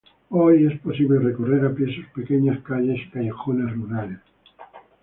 Hoy es posible recorrer a pie sus pequeñas calles y callejones rurales.